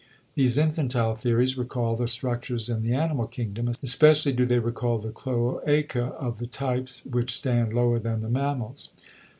These infantile theories recall the structures in the animal kingdom, especially do they recall the cloaca of the types which stand lower than the mammals.